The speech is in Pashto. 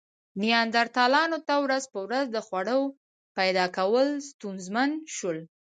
نیاندرتالانو ته ورځ په ورځ د خوړو پیدا کول ستونزمن شول.